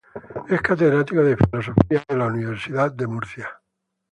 Es catedrático de Filosofía de la Universidad de Murcia.